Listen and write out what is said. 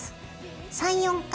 ３４回。